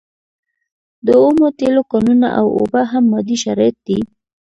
د اومو تیلو کانونه او اوبه هم مادي شرایط دي.